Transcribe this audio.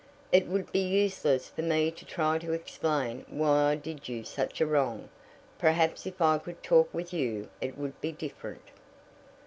"It would be useless for me to try to explain why I did you such a wrong perhaps if I could talk with you it would be different.